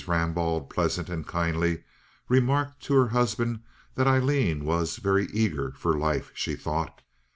Rambaud, pleasant and kindly, remarked to her husband that Aileen was "very eager for life," she thought.